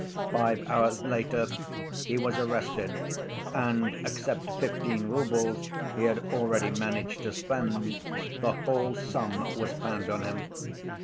Five hours later he was arrested, and, except fifteen roubles he had already managed to spend, the whole sum was found on him.